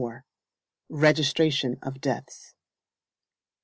Registration of Deaths.